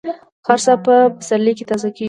هر څه په پسرلي کې تازه کېږي.